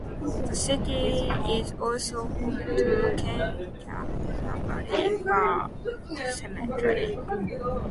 The city is also home to the Kanchanaburi War Cemetery.